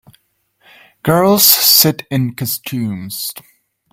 Girls sit in costumes.